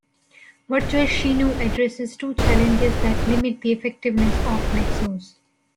Virtual Xinu addresses two challenges that limit the effectiveness of Nexos.